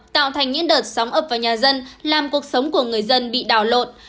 tạo thành những đợt sóng ập vào nhà dân làm cuộc sống của người dân bị đào lột